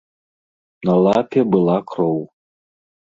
На лапе была кроў.